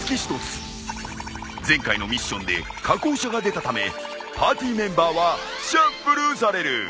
前回のミッションで確保者が出たためパーティーメンバーはシャッフルされる。